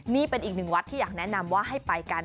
นี่เป็นอีกหนึ่งวัดที่อยากแนะนำว่าให้ไปกัน